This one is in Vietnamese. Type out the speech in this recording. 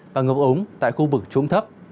và ngập ống tại khu vực trung thấp